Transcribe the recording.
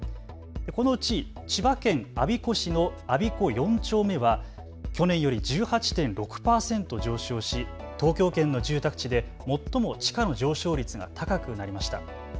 このうち千葉県我孫子市の我孫子４丁目は去年より１８．６％上昇し東京圏の住宅地で最も地価の上昇率が高くなりました。